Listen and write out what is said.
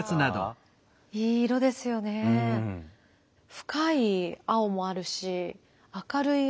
深い青もあるし明るい青も。